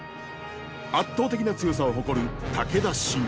圧倒的な強さを誇る武田信玄。